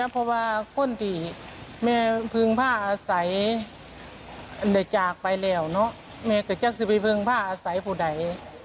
เพราะว่าคนตีนแม่พึงพ่าอาศัยในจากไปแล้วเนาะแม่จากจะพึงพ่าอาศัยผู้ใด